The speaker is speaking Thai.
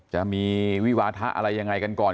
จะมีวิวาทะอะไรยังไงกันก่อน